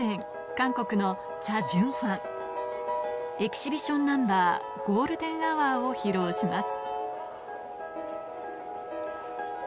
韓国のチャジュンファンエキシビションナンバー『ｇｏｌｄｅｎｈｏｕｒ』を披露します